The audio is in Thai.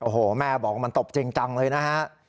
โอ้โหแม่บอกว่ามันตบจริงจังเลยนะฮะ